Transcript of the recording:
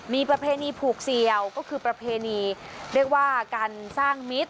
มีประเพณีผูกเสี่ยวก็คือประเพณีเรียกว่าการสร้างมิตร